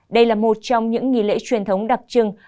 đây là một trong những nghỉ lễ truyền thống đặc trưng